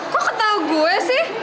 kok ketau gue sih